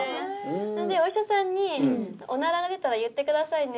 でお医者さんに「オナラが出たら言ってくださいね」